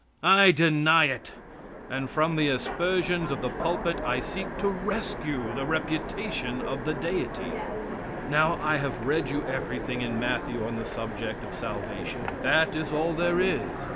I deny it; and from the aspersions of the pulpit I seek to rescue the reputation of the Deity. Now, I have read you everything in Matthew on the subject of salvation. That is all there is.